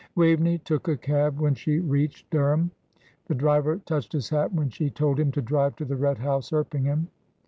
Waveney took a cab when she reached Dereham. The driver touched his hat when she told him to drive to the Red House, Erpingham.